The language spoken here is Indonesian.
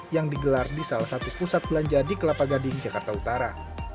yang digelar di salah satu pusat belanja di kelapa gading jakarta utara